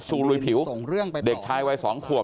ลุยผิวเด็กชายวัย๒ขวบ